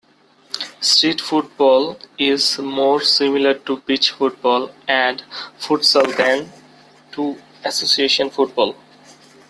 Street football is more similar to beach football and futsal than to association football.